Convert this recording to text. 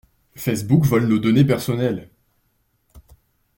Facebook vole nos données personnelles.